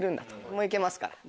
もういけますから。